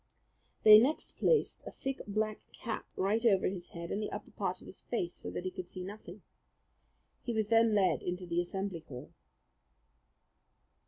They next placed a thick black cap right over his head and the upper part of his face, so that he could see nothing. He was then led into the assembly hall.